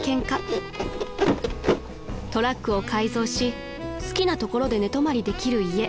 ［トラックを改造し好きな所で寝泊まりできる家］